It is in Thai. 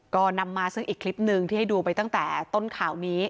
ก็นำมาซึ่งอีกคลิปหนึ่งที่ให้ดูไปตั้งแต่ต้นข่าวนี้